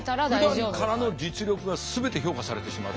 ふだんからの実力が全て評価されてしまう。